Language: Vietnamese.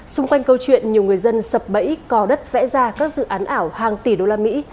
xung quanh câu chuyện nhiều người dân sập bẫy cò đất vẽ ra các dự án ảo hàng tỷ đô la mỹ